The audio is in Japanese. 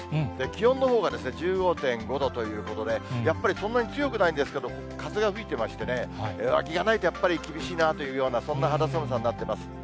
気温のほうが１５．５度ということで、やっぱりそんなに強くないんですけれども、風が吹いてましてね、上着がないとやっぱり厳しいなというような、そんな肌寒さになってます。